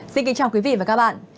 xin kính chào quý vị và các bạn